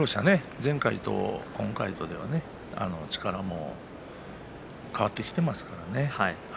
前回と今回では力も変わってきてますからね。